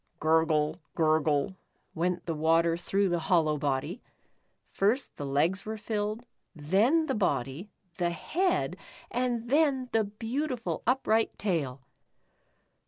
"Gurgle, gurgle" went the water through the hollow body. First the legs were filled, then the body, the head, and then the beautiful upright tail.